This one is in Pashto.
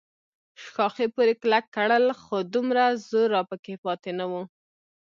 ښاخې پورې کلک کړل، خو دومره زور راپکې پاتې نه و.